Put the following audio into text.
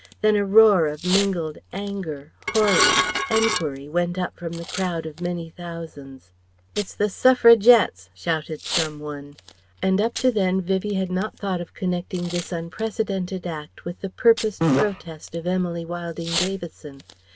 Then a roar of mingled anger, horror, enquiry went up from the crowd of many thousands. "It's the Suffragettes" shouted some one. And up to then Vivie had not thought of connecting this unprecedented act with the purposed protest of Emily Wilding Davison.